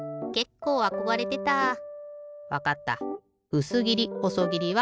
うすぎりほそぎりは